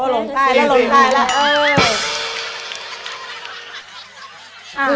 ลงใต้แล้วลงใต้แล้วเออ